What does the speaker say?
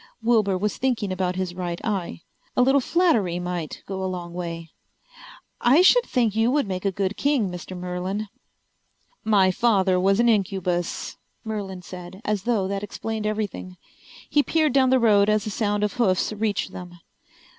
Wilbur was thinking about his right eye. A little flattery might go a long way. "I should think you would make a good king, Mr. Merlin." "My father was an incubus," Merlin said, as though that explained everything. He peered down the road as the sound of hoofs reached them.